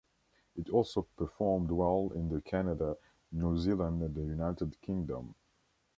It also performed well in the Canada, New Zealand and the United Kingdom.